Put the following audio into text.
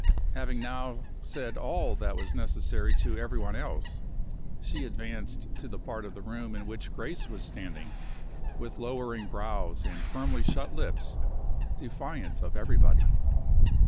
Having now said all that was necessary to every one else, she advanced to the part of the room in which Grace was standing, with lowering brows and firmly shut lips, defiant of everybody.